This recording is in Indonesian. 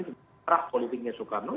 sebetulnya politiknya soekarno